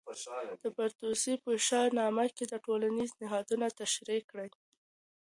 د فردوسي په شاه نامه کې ټولنیز نهادونه تشریح کوي.